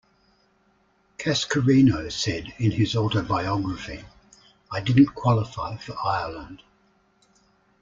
Cascarino said in his autobiography: I didn't qualify for Ireland.